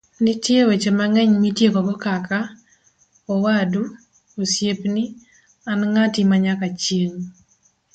nitie weche mang'eny mitiekogo kaka;'owadu, osiepni, an ng'ati manyakachieng'